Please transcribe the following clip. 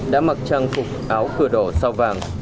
đã mặc trang phục áo cửa đỏ sao vàng